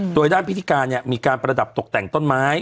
โดยด้านพิธีการมีการประดับตกแต่งต้นไม้